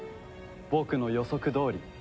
僕の予測どおり。